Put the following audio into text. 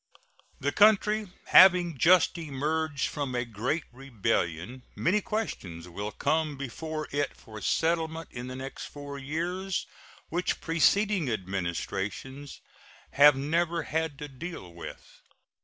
The country having just emerged from a great rebellion, many questions will come before it for settlement in the next four years which preceding Administrations have never had to deal with.